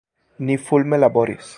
Ni fulme laboris.